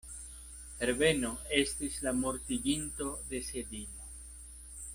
Herbeno estis la mortiginto de Sedilo.